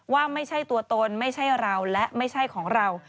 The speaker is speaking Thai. ว่าไม่ใช่ตัวตนไม่ใช่เราและไม่ใช่ของเรา